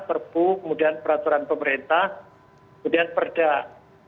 jadi yang ada di undang undang dua belas dua ribu sebelas